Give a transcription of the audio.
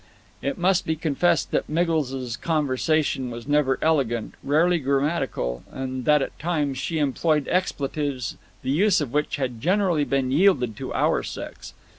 It must be confessed that Miggles's conversation was never elegant, rarely grammatical, and that at times she employed expletives the use of which had generally been yielded to our sex.